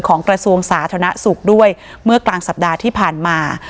กระทรวงสาธารณสุขด้วยเมื่อกลางสัปดาห์ที่ผ่านมา